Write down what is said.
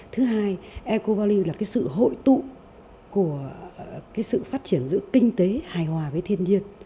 thứ hai ecovalley là sự hội tụ của sự phát triển giữa kinh tế hài hòa với thiên nhiên